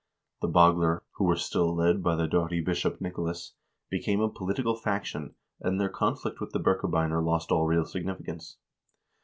The Bagler, who were still led by the doughty Bishop Nicolas, became a political faction, and their conflict with the Birkebeiner lost all real significance.